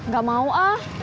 gak mau ah